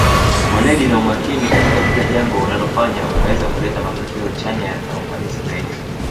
weledi na umakini katika kila jambo unalofanya unaweza kuleta matokeo chanya na ufanisi zaidi